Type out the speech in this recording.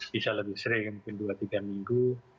bisa lebih sering mungkin dua tiga minggu